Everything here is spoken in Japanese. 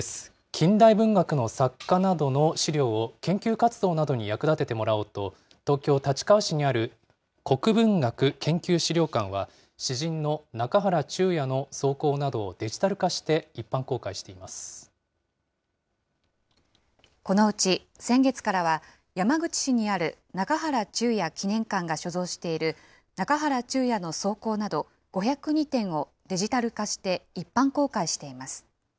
近代文学の作家などの資料を、研究活動などに役立ててもらおうと東京・立川市にある国文学研究資料館は、詩人の中原中也の草稿などをデジタル化して一般このうち先月からは、山口市にある中原中也記念館が所蔵している、中原中也の草稿など５０２点をデジタル化して一般公開しています。